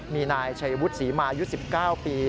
มีนายชัยวุฒิศรีมายุค๑๙ปี